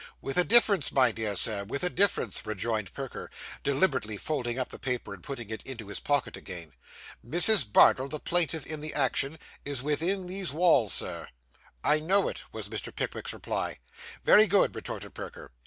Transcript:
'With a difference, my dear Sir; with a difference,' rejoined Perker, deliberately folding up the paper and putting it into his pocket again. 'Mrs. Bardell, the plaintiff in the action, is within these walls, Sir.' 'I know it,' was Mr. Pickwick's reply. 'Very good,' retorted Perker.